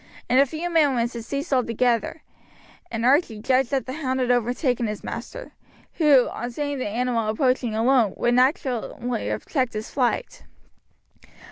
In a few minutes it ceased altogether, and Archie judged that the hound had overtaken his master, who, on seeing the animal approaching alone, would naturally have checked his flight.